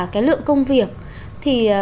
cái lượng công việc thì